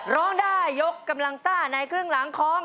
ร้องได้ยกกำลังซ่าในครึ่งหลังของ